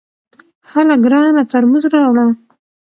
هله ګرانه ترموز راوړه !